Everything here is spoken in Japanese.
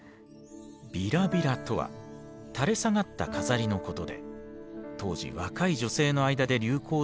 びらびらとは垂れ下がった飾りのことで当時若い女性の間で流行した形だそう。